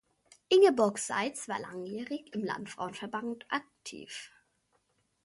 Ingeborg Seitz war langjährig im Landfrauenverband aktiv.